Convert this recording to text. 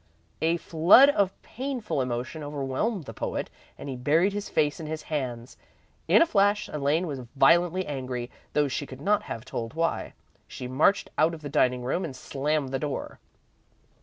A flood of painful emotion overwhelmed the poet, and he buried his face in his hands. In a flash, Elaine was violently angry, though she could not have told why. She marched out of the dining room and slammed the door.